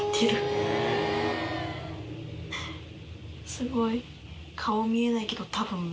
すごい。